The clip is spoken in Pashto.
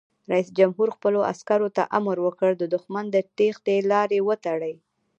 رئیس جمهور خپلو عسکرو ته امر وکړ؛ د دښمن د تیښتې لارې وتړئ!